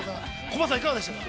コバさん、いかがでしたか。